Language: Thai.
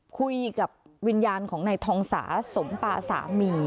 คุยกับวิญญาณของนายทองสาสมปาสามี